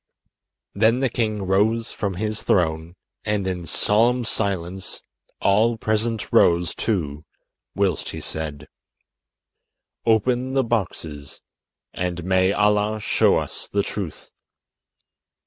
Then the king rose from his throne, and in solemn silence all present rose too, whilst he said: "Open the boxes, and may Allah show us the truth."